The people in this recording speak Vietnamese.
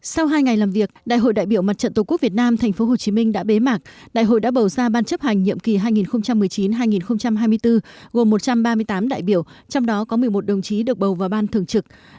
sau hai ngày làm việc đại hội đại biểu mặt trận tổ quốc việt nam tp hcm đã bế mạc đại hội đã bầu ra ban chấp hành nhiệm kỳ hai nghìn một mươi chín hai nghìn hai mươi bốn gồm một trăm ba mươi tám đại biểu trong đó có một mươi một đồng chí được bầu vào ban thường trực